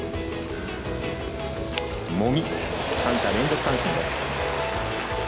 茂木、３者連続三振です。